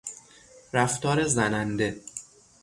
رفتار زننده